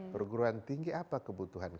perguruan tinggi apa kebutuhan